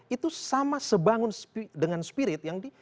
itu sama sebangun dengan spirit yang diberikan pak ahok